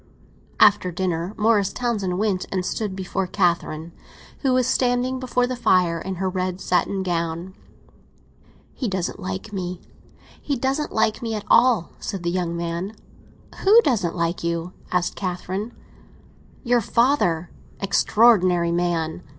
After dinner Morris Townsend went and stood before Catherine, who was standing before the fire in her red satin gown. "He doesn't like me—he doesn't like me at all!" said the young man. "Who doesn't like you?" asked Catherine. "Your father; extraordinary man!"